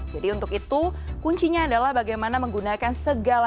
jadi untuk itu kuncinya adalah bagaimana menggunakan segala alat